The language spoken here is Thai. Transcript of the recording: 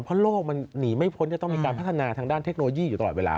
เพราะโลกมันหนีไม่พ้นจะต้องมีการพัฒนาทางด้านเทคโนโลยีอยู่ตลอดเวลา